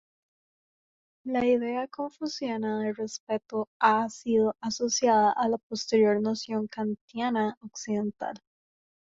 La idea confuciana de respeto ha sido asociada a la posterior noción kantiana occidental.